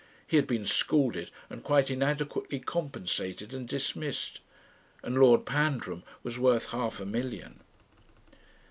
He had been scalded and quite inadequately compensated and dismissed. And Lord Pandram was worth half a million.